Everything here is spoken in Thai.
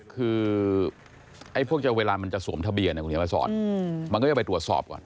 คือไอ้พวกเวลามันจะสวมทะเบียนนะคุณเขียนมาสอนมันก็จะไปตรวจสอบก่อน